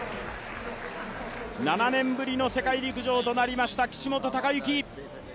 ７年ぶりの世界陸上となりました岸本鷹幸。